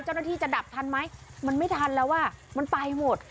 เจ้าหน้าที่จะดับทันไหมมันไม่ทันแล้วอ่ะมันไปหมด